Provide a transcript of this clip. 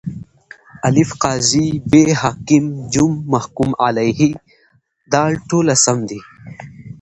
الف: قاضي ب: حاکم ج: محکوم علیه د: ټوله سم دي.